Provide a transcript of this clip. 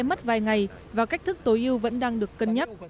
mất vài ngày và cách thức tối ưu vẫn đang được cân nhắc